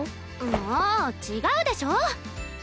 もう違うでしょ！